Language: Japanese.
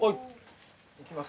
いきます。